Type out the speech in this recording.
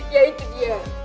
ya itu dia